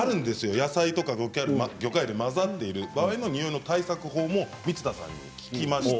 野菜や魚介類が混ざっているときのニオイの対策法も光田さんに聞きました。